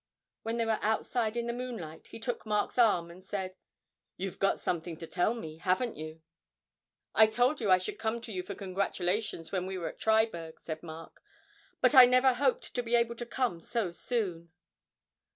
When they were outside in the moonlight, he took Mark's arm and said, 'You've got something to tell me, haven't you?' 'I told you I should come to you for congratulations when we were at Triberg,' said Mark, 'but I never hoped to be able to come so soon.